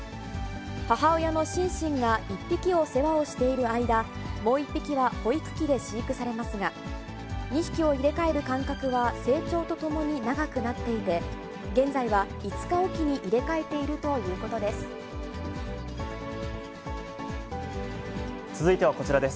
母親のシンシンが１匹を世話をしている間、もう１匹は保育器で飼育されますが、２匹を入れ替える間隔は成長とともに長くなっていて、現在は５日置きに入れ替えているということです。